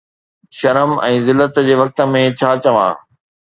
شرم ۽ ذلت جي وقت ۾ ڇا چوان؟